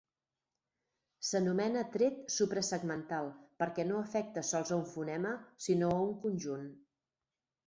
S'anomena tret suprasegmental perquè no afecta sols a un fonema sinó a un conjunt.